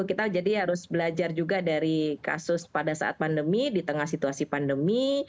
kita jadi harus belajar juga dari kasus pada saat pandemi di tengah situasi pandemi